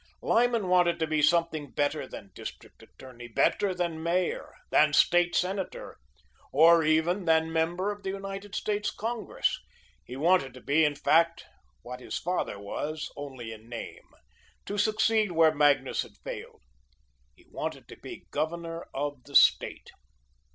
Lyman wanted to be something better than District Attorney, better than Mayor, than State Senator, or even than member of the United States Congress. He wanted to be, in fact, what his father was only in name to succeed where Magnus had failed. He wanted to be governor of the State.